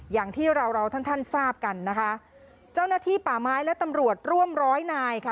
อย่างที่เราเราท่านท่านทราบกันนะคะเจ้าหน้าที่ป่าไม้และตำรวจร่วมร้อยนายค่ะ